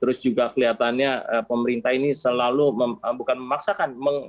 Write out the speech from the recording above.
terus juga kelihatannya pemerintah ini selalu bukan memaksakan